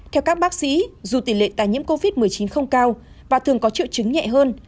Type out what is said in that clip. theo các bác sĩ dù tỷ lệ tái nhiễm covid một mươi chín không cao và thường có triệu chứng nhẹ hơn